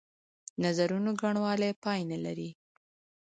نظرونو ګڼوالی پای نه لري.